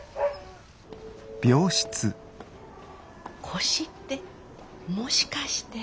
・腰ってもしかして。